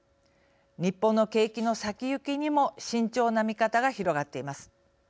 日本の景気の先行きにも慎重な見方が広がっています。